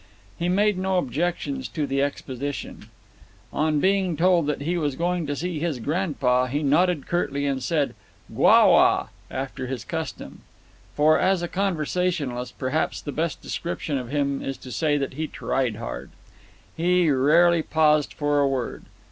He made no objections to the expedition. On being told that he was going to see his grandpa he nodded curtly and said: "Gwa wah," after his custom. For, as a conversationalist, perhaps the best description of him is to say that he tried hard. He rarely paused for a word.